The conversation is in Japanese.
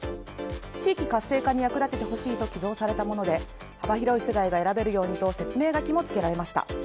地域活性化に役立ててほしいと寄贈されたもので幅広い世代が選べるようにと説明書きもつけられました。